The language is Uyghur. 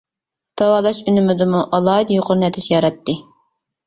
داۋالاش ئۈنۈمىدىمۇ ئالاھىدە يۇقىرى نەتىجە ياراتتى.